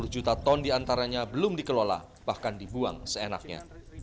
sepuluh juta ton diantaranya belum dikelola bahkan dibuang seenaknya